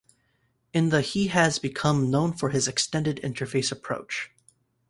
In the he has become known for his "extended interface approach".